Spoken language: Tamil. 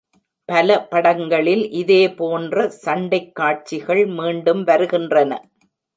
பல படங்களில் இதேபோன்ற சண்டைக் காட்சிகள் மீண்டும் வருகின்றன.